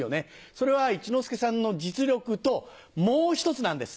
それは一之輔さんの実力ともう１つなんです。